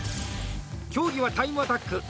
競技は、タイムアタック。